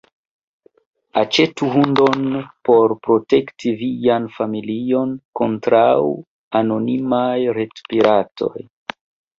Aĉetu hundon por protekti vian familion kontraŭ anonimaj retpiratoj.